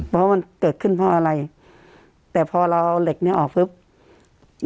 ว่ามันเกิดขึ้นเพราะอะไรแต่พอเราเอาเหล็กเนี้ยออกปุ๊บ